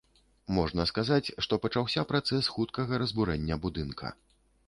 Можна сказаць, што пачаўся працэс хуткага разбурэння будынка.